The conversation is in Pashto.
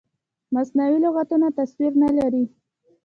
مصنوعي لغتونه تصویر نه لري.